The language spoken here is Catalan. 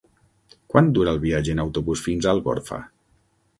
Quant dura el viatge en autobús fins a Algorfa?